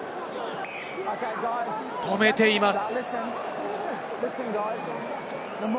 止めています。